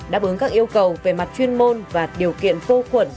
đáp ứng các yêu cầu về mặt chuyên môn và điều kiện vô khuẩn